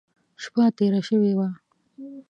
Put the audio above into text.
شپه تېره شوې وه.